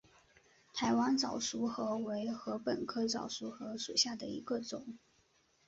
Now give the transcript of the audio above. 台湾早熟禾为禾本科早熟禾属下的一个种。